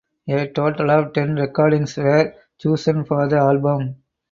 A total of ten recordings were chosen for the album.